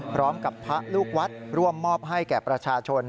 พร้อมกับพระลูกวัดร่วมมอบให้แก่ประชาชน